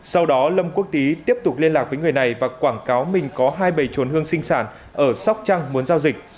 sau đó lâm quốc tý tiếp tục liên lạc với người này và quảng cáo mình có hai bầy trốn hương sinh sản ở sóc trăng muốn giao dịch